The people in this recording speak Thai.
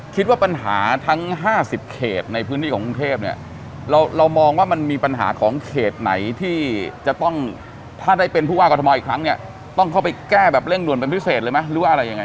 คิดว่าปัญหาทั้ง๕๐เขตในพื้นที่ของกรุงเทพเนี่ยเรามองว่ามันมีปัญหาของเขตไหนที่จะต้องถ้าได้เป็นผู้ว่ากรทมอีกครั้งเนี่ยต้องเข้าไปแก้แบบเร่งด่วนเป็นพิเศษเลยไหมหรือว่าอะไรยังไง